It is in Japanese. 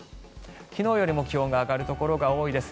昨日よりも気温が上がるところが多いです。